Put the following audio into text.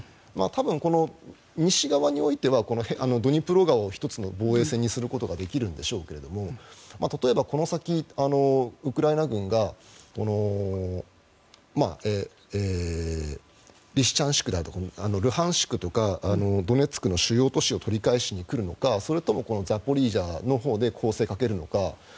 多分西側においてはドニプロ川を１つの防衛線にすることができるんでしょうけれども例えば、この先ウクライナ軍がリシチャンシクであるとかルハンシクであるとかドネツクの主要都市を取り返しに来るのか、それともこのザポリージャのほうで攻勢をかけるのか。